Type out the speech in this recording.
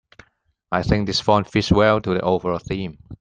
I think this font fits well to the overall theme.